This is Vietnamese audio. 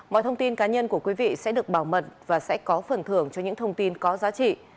mọi thông tin cá nhân của quý vị sẽ được bảo mật và sẽ có phần thưởng cho những thông tin có giá trị